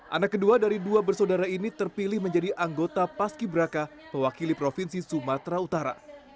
anak kedua dari dua bersaudara ini terpilih menjadi anggota paski beraka mewakili provinsi sumatera utara